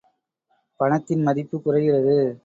பணத்தின் மதிப்புக் குறைகிறது.